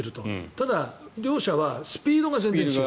ただ、両者はスピードが全然違う。